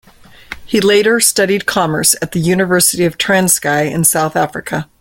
He later studied commerce at the University of Transkei in South Africa.